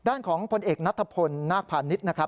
ด้านของพลเอกนัทพลนาคพาณิชย์นะครับ